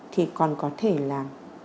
thì còn có thể là